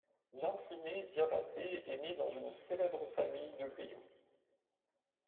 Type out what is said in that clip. Lansiné Diabaté est né dans une célèbre famille de griots.